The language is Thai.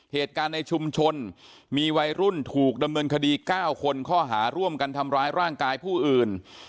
เหตุการณ์ในชุมชนมีวัยรุ่นถูกดำเนินคดี๙คนข้อหาร่วมกันทำร้ายร่างกายผู้อื่น